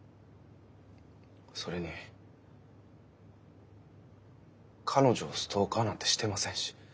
それに彼女をストーカーなんてしてませんし。